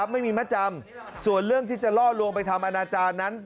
ไม่มีมาจำส่วนเรื่องที่จะล่อลวงไปทำอนาจารย์นั้น